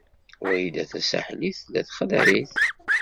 Wrida Tasaḥlit tella txeddeɛ-it.